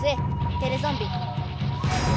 テレゾンビ。